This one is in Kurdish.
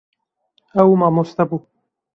Ew mamoste bû.